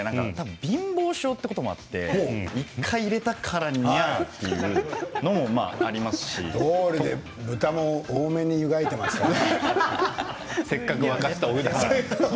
貧乏性ということもあって１回、入れたからにはどうりで豚肉も多めに湯がいていましたね。